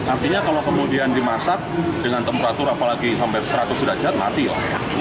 artinya kalau kemudian dimasak dengan temperatur apalagi sampai seratus derajat mati lah